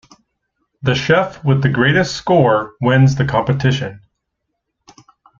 The chef with the greatest score wins the competition.